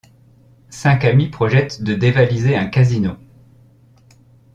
Cinq amis projettent de dévaliser un casino.